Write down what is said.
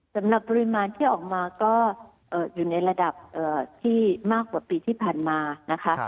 สำหรับปริมาณที่ออกมาก็อยู่ในระดับที่มากกว่าปีที่ผ่านมานะคะ